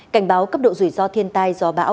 cảnh báo cấp độ rủi ro thiên tai gió bão cấp ba